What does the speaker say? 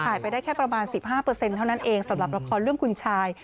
ไปได้แค่ประมาณ๑๕เท่านั้นเองสำหรับละครเรื่องคุณชาย